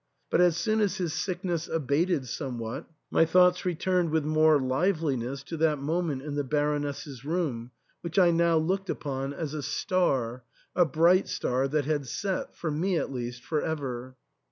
But as soon as his sickness abated some what, my thoughts returned with more liveliness to that moment in the Baroness's room, which I now looked upon as a star — a bright star — that had set, for me at least, for ever.